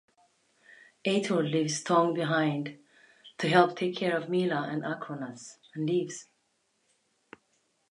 Ator leaves Thong behind to help take care of Mila and Akronas, and leaves.